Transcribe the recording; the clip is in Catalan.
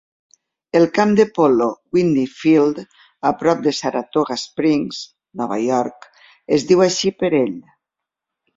El camp de polo "Whitney Field" a prop de Saratoga Springs, Nova York, es diu així per ell.